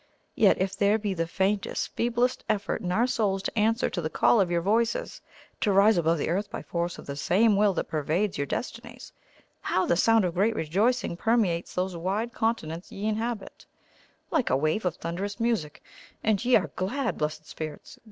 Yet if there be the faintest, feeblest effort in our souls to answer to the call of your voices, to rise above the earth by force of the same will that pervades your destinies, how the sound of great rejoicing permeates those wide continents ye inhabit, like a wave of thunderous music; and ye are glad, Blessed Spirits!